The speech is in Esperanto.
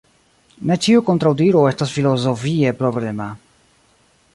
Ne ĉiu kontraŭdiro estas filozofie problema.